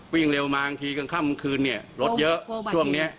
วิ่งเร็วมาบางทีกลางค่ำคืนเนี่ยรถเยอะช่วงนี้